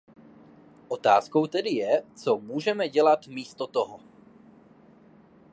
Otázkou tedy je, co můžeme udělat místo toho?